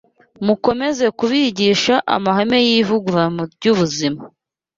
Mukomeze kubigisha amahame y’ivugurura ry’ubuzima,